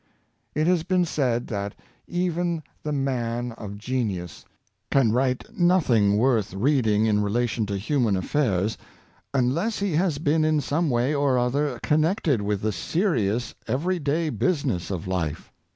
It has been said that even the man of genius can write nothing worth reading in Modern Literary Workers, 161 relation to human affairs, unless he has been in some way or other connected with the serious every day business of life.